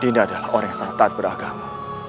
nda adalah orang yang sangat tahan beragama